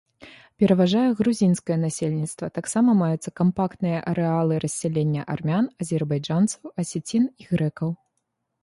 Пераважае грузінскае насельніцтва, таксама маюцца кампактныя арэалы рассялення армян, азербайджанцаў, асецін і грэкаў.